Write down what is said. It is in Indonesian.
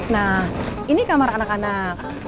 nah ini kamar anak anak